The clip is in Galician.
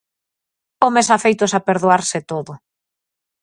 Homes afeitos a perdoarse todo.